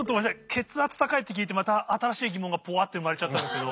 血圧高いって聞いてまた新しい疑問がぽわって生まれちゃったんですけど。